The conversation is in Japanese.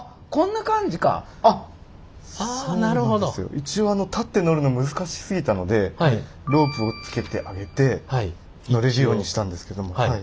一応立って乗るの難しすぎたのでロープをつけてあげて乗れるようにしたんですけども。